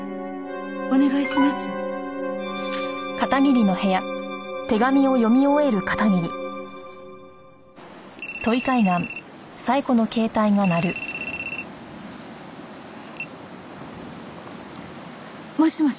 お願いします」もしもし。